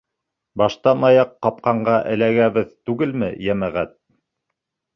Баштан-аяҡ ҡапҡанға эләгәбеҙ түгелме, йәмәғәт?..